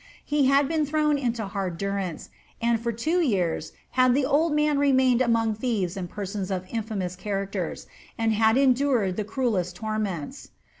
He had been thrown into hard durance, and for two years itad the old man remained among thieves and persons of infamous cha lacters, and had endured the cruelest torments.